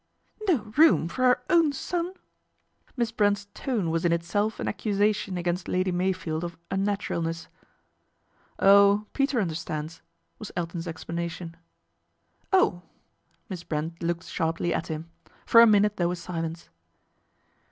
" No room for her own son ?" Miss Brent's tone was in itself an accusation against Lady Mey field of unnaturalness. MISS BRENT'S STRATEGY 137 " Oh ! Peter understands/' was Elton's explana I tion. " Oh !" Miss Brent looked sharply at him. For j a minute there was silence.